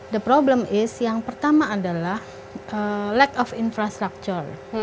the problem is yang pertama adalah lag of infrastructure